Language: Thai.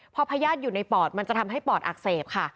พอพญาติอยู่ในปอดมันจะทำให้ปอดอักเสบค่ะ